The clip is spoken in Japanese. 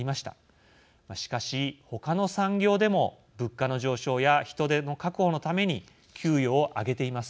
しかしほかの産業でも物価の上昇や人手の確保のために給与を上げています。